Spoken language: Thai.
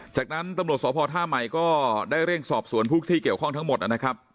จากนั้นตำรวจสพท่าใหม่ก็ได้เร่งสอบสวนผู้ที่เกี่ยวข้องทั้งหมดนะครับ